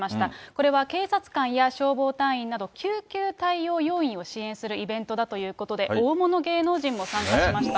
これは警察官や消防隊員など救急対応要員を支援するイベントだということで、大物芸能人も参加しました。